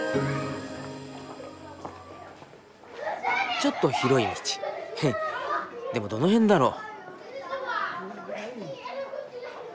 ちょっと広い道でもどの辺だろう？